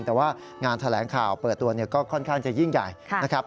แต่ว่างานแถลงข่าวเปิดตัวก็ค่อนข้างจะยิ่งใหญ่นะครับ